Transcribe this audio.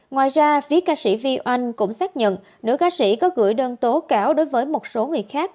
ngoài ra phía ca sĩ vy oanh cũng xác nhận nữ ca sĩ có gửi đơn tố cáo đối với một số người khác